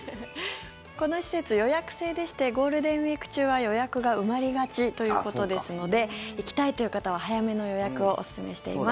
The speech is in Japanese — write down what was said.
この施設、予約制でしてゴールデンウィーク中は予約が埋まりがちということですので行きたいという方は早めの予約をおすすめしています。